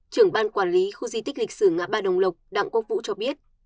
trưởng ban quản lý khu di tích lịch sử ngã ba đồng lộc đặng quốc vũ cho biết